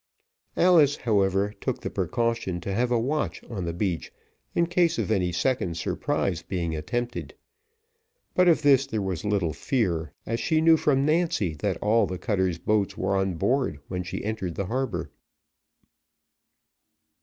Alice, however, took the precaution to have a watch on the beach, in case of any second surprise being attempted; but of this there was little fear, as she knew from Nancy, that all the cutter's boats were on board when she entered the harbour.